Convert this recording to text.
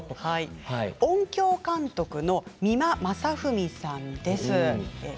音響監督の三間雅文さんです。